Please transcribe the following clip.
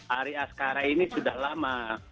ari askara ini sudah lama